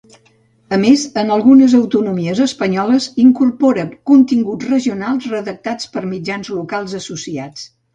A més en algunes autonomies espanyoles incorpora continguts regionals redactats per mitjans locals associats.